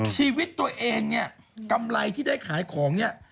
ชีวิตตัวเองเนี่ยกำไรที่ได้ขายของเนี่ย